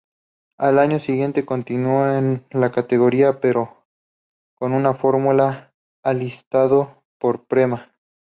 Al año siguiente continuó en la categoría, pero con un fórmula alistado por Prema.